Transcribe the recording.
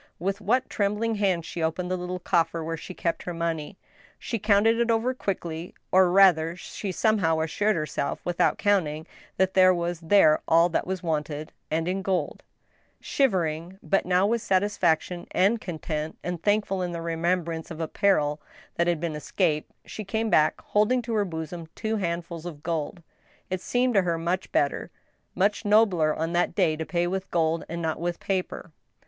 With what trembling hands she opened the little coffer where she kept her money ! She counted it over quickly, or, rather, she somehow assured herself without counting, that there was there all that was wanted, and in gold I Shivering, but now with satisfaction and content, and thankful in the remembrance of a peril that had been escaped, she came back, holding to her bosom two handf uls of gold. It seemed to her much better, much nobler, on that day, to pay with gold and not with paper.